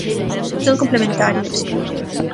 Son complementarios.